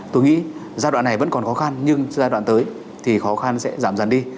tôi nghĩ giai đoạn này vẫn còn khó khăn nhưng giai đoạn tới thì khó khăn sẽ giảm dần đi